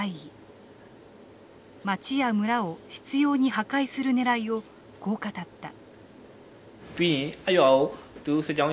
町や村を執拗に破壊するねらいをこう語った。